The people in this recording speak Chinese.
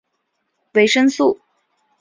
维生素。